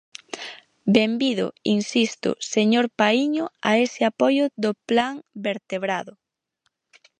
Benvido, insisto, señor Paíño, a ese apoio do plan vertebrado.